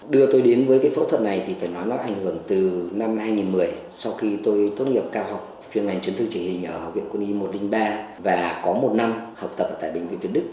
đưa tôi đến với cái phẫu thuật này thì phải nói nó ảnh hưởng từ năm hai nghìn một mươi sau khi tôi tốt nghiệp cao học chuyên ngành chấn thương chỉnh hình ở học viện quân y một trăm linh ba và có một năm học tập tại bệnh viện việt đức